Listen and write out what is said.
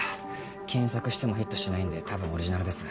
検索してもヒットしないんで多分オリジナルです。